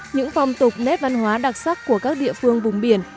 những phong tục nét văn hóa đặc sắc của các địa phương vùng biển